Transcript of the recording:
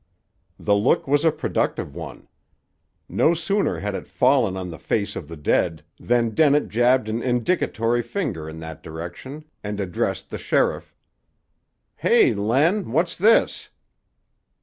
The look was a productive one. No sooner had it fallen on the face of the dead than Dennett jabbed an indicatory finger in that direction and addressed the sheriff: "Hey, Len! What's this?"